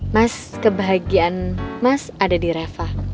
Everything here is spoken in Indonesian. mas kebahagiaan mas ada di rafa